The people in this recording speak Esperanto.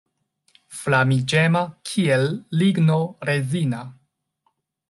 Flamiĝema kiel ligno rezina.